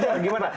mas fajar gimana